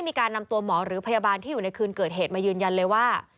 มีการนำตัวหมอหรือพยาบาลที่อยู่ในคืนเกิดเหตุมายืนยันเลยว่า